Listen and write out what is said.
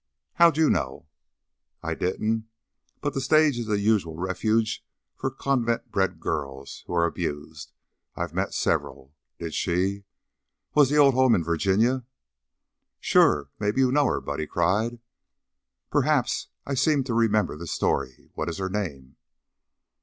"How'd you know?" "I didn't. But the stage is the usual refuge for convent bred girls who are abused. I've met several. Did she Was the old home in Virginia?" "Sure! Mebbe you know her!" Buddy cried. "Perhaps. I seem to remember the story. What is her name?"